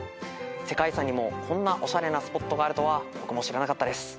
世界遺産にもこんなおしゃれなスポットがあるとは僕も知らなかったです。